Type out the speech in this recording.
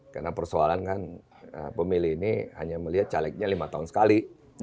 karena persoalan kan pemilih ini hanya melihat celeknya lima tahun sekali